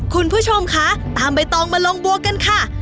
คุณผู้ชมคะตามใบตองมาลงบัวกันค่ะ